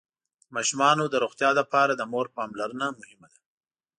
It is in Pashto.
د ماشومانو د روغتيا لپاره د مور پاملرنه مهمه ده.